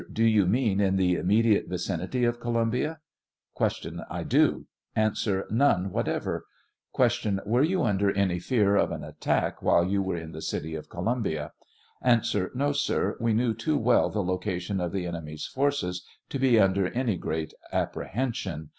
Do you mean in the immediate vicinity of Co lumbia ? 44 Q. I do. A. None whatever. Q. Were you under any fear of an attack while you were in the city of Columbia ? A. No, sir; we knew too well the location of the enemy's forces to be under any great apprehension.